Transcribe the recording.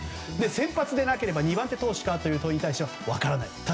先発ではなければ２番手投手かという問いに対しては分からない。